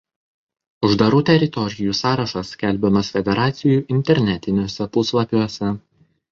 Uždarų teritorijų sąrašas skelbiamas federacijų internetiniuose puslapiuose.